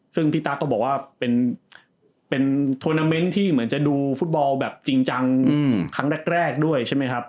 ซึ่งพี่ตั๊กก็บอกว่าเป็นโทรนาเมนต์ที่เหมือนจะดูฟุตบอลแบบจริงจังครั้งแรกด้วยใช่ไหมครับ